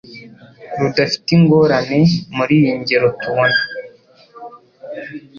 Rudafite ingorane Muriyi ngero tubona